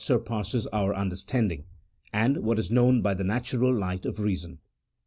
VII, surpasses our understanding, and what is known by the natural light of reason.